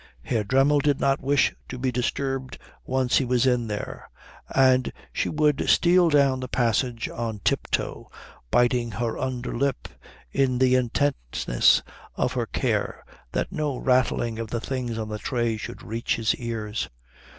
Herr Dremmel did not wish to be disturbed once he was in there, and she would steal down the passage on tip toe, biting her under lip in the intentness of her care that no rattling of the things on the tray should reach his ears.